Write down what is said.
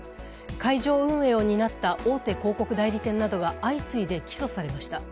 会場運営を担った大手広告代理店などが相次いで起訴されました。